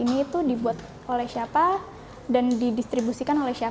istilahnya di bepom dan di devcastpon juga sudah ada registrasinya nih produknya